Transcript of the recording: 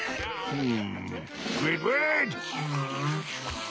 うん？